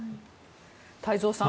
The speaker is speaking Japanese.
太蔵さん